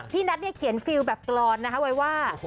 นัทเนี่ยเขียนฟิลแบบกรอนนะคะไว้ว่า